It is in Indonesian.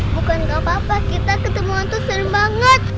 bukan gak apa apa kita ketemu hantu serem banget